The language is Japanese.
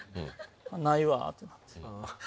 「ないわ」ってなって。